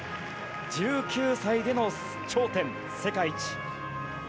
１９歳での頂点、世界一！